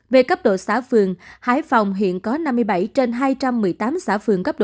về cấp độ xã phường hải phòng hiện có năm mươi bảy trên hai trăm một mươi tám xã phường gấp hai